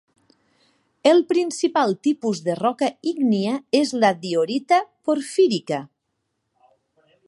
El principal tipus de roca ígnia és la diorita porfírica.